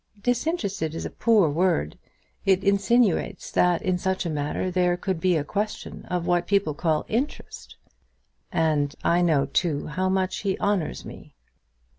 "Disinterested is a poor word. It insinuates that in such a matter there could be a question of what people call interest." "And I know, too, how much he honours me."